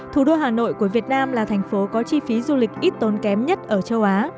thủ đô hà nội của việt nam là thành phố có chi phí du lịch ít tốn kém nhất ở châu á